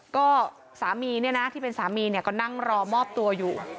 ก็สามีเนี่ยนะที่เป็นสามีเนี่ยก็นั่งรอมอบตัวอยู่